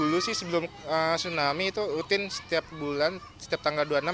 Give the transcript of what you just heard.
kalau dulu sebelum tsunami itu rutin setiap bulan setiap tanggal dua puluh enam jam satu tiga puluh